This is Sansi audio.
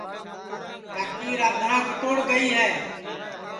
کاکی رادھاں کیتوڑ گئی ہے